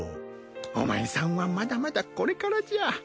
お前さんはまだまだこれからじゃ。